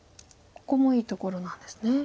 ここもいいところなんですね。